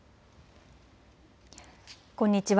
こんにちは。